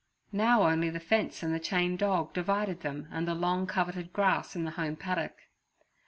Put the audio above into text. Now only the fence and the chained dog divided them and the long coveted grass in the home paddock.